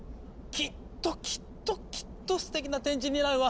きっときっときっとすてきな展示になるわ。